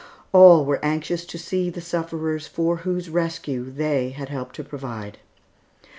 All were anxious to see the sufferers for whose rescue they had helped to provide.